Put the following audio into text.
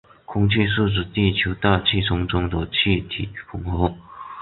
空气是指地球大气层中的气体混合。